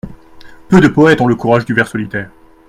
Peu de poètes ont le courage du vers solitaire !